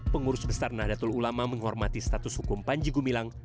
pengurus besar nahdlatul ulama menghormati status hukum panjegu bilang